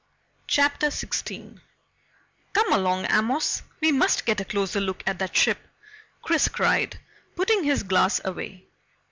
CHAPTER 16 "Come along, Amos! We must get a closer look at that ship!" Chris cried, putting his glass away.